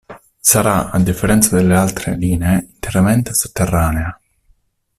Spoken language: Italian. Sarà, a differenza della altre linee, interamente sotterranea.